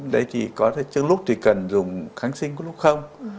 đây thì có thể chứ lúc thì cần dùng kháng sinh có lúc không